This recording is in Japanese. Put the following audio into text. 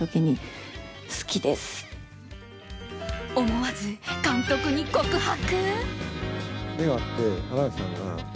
思わず、監督に告白？